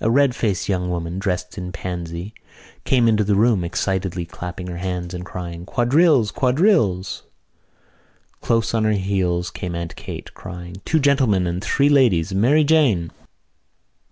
A red faced young woman, dressed in pansy, came into the room, excitedly clapping her hands and crying: "Quadrilles! Quadrilles!" Close on her heels came Aunt Kate, crying: "Two gentlemen and three ladies, Mary Jane!"